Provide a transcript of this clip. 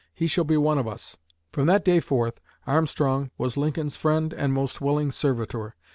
He shall be one of us.' From that day forth Armstrong was Lincoln's friend and most willing servitor.